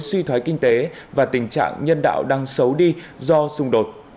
suy thoái kinh tế và tình trạng nhân đạo đang xấu đi do xung đột